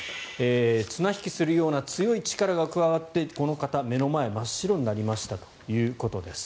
綱引きするような強い力が加わってこの方、目の前が真っ白になりましたということです。